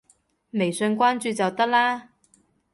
微信關注就得啦